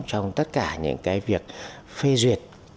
trong tất cả những cái việc phê duyệt